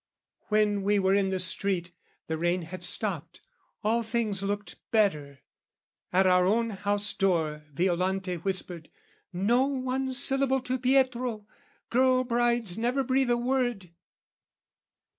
When we were in the street, the rain had stopped, All things looked better. At our own house door, Violante whispered "No one syllable "To Pietro! Girl brides never breathe a word!"